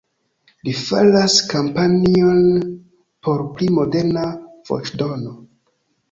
Li faras kampanjon por pli moderna voĉdono.